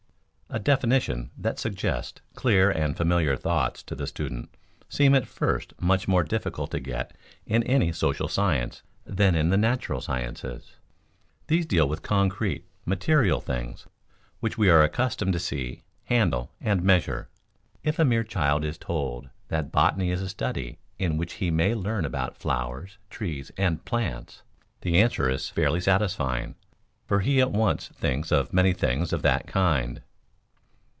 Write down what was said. _A definition that suggests clear and familiar thoughts to the student seem at first much more difficult to get in any social science than in the natural sciences._ These deal with concrete, material things which we are accustomed to see, handle, and measure. If a mere child is told that botany is a study in which he may learn about flowers, trees, and plants, the answer is fairly satisfying, for he at once thinks of many things of that kind.